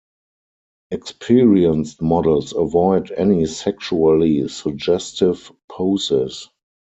Experienced models avoid any sexually suggestive poses.